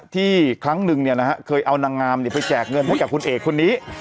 ครั้งหนึ่งเคยเอานางงามไปแจกเงินให้กับคุณเอกคนนี้